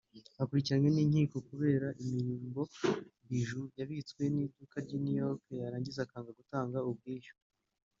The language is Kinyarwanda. akurikiranwe n’inkiko kubera imirimbo(bijoux) yambitswe n’iduka ry’i New York yarangiza akanga gutanga ubwishyu